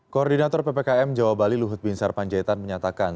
koordinator ppkm jawa bali luhut bin sarpanjaitan menyatakan